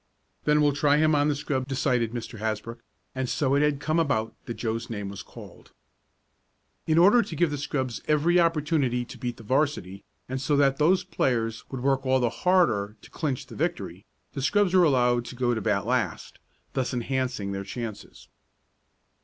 "Then we'll try him on the scrub," decided Mr. Hasbrook; and so it had come about that Joe's name was called. In order to give the scrubs every opportunity to beat the 'varsity, and so that those players would work all the harder to clinch the victory, the scrubs were allowed to go to bat last, thus enhancing their chances.